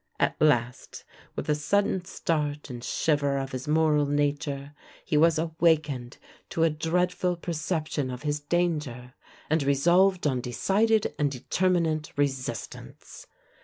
At last, with a sudden start and shiver of his moral nature, he was awakened to a dreadful perception of his danger, and resolved on decided and determinate resistance.